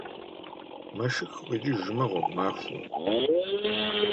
- Мэшых укъикӏыжмэ, гъуэгу махуэ.